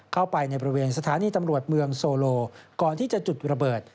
เข้าไปในบริเวณสถานีตำรวจเมืองโซโลก่อนที่จะจุดระเบิด